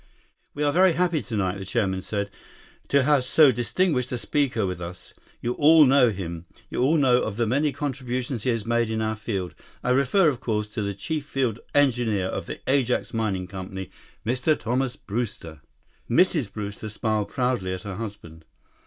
"We are very happy tonight," the chairman said, "to have so distinguished a speaker with us. You all know him. You all know of the many contributions he has made in our field. I refer, of course, to the chief field engineer of the Ajax Mining Company, Mr. Thomas Brewster." 38 Mrs. Brewster smiled proudly at her husband.